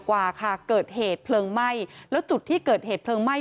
กว่าค่ะเกิดเหตุเพลิงไหม้แล้วจุดที่เกิดเหตุเพลิงไหม้